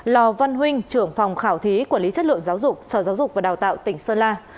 lò văn huynh trưởng phòng khảo thí quản lý chất lượng giáo dục sở giáo dục và đào tạo tỉnh sơn la